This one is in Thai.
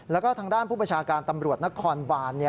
แล้วก็ทางด้านผู้ประชาการตำรวจนครบาน